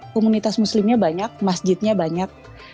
komunitas muslimnya banyak masjidnya banyak